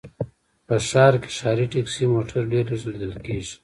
په ښار کې ښاري ټکسي موټر ډېر لږ ليدل کېږي